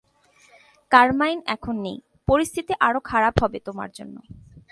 Carmine এখন নেই, পরিস্থিতি আরো খারাপ হবে তোমার জন্য।